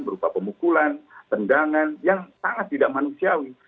berupa pemukulan tendangan yang sangat tidak manusiawi